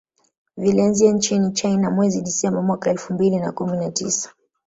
Vilianzia nchini China mwezi Disemba mwaka elfu mbili na kumi na tisa